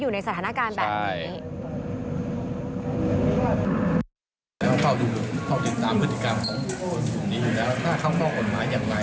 อยู่ในสถานการณ์แบบนี้